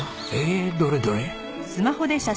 えどれどれ？